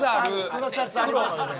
黒シャツありますね。